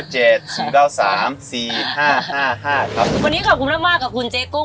วันนี้ขอบคุณมากกับคุณเจ๊กุ้ง